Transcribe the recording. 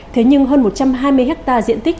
thế nhưng hơn một trăm hai mươi hectare diện tích